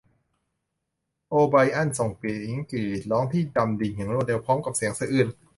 โอไบรอันส่งเสียงกรีดร้องที่ดำดิ่งอย่างรวดเร็วพร้อมกับเสียงสะอื้น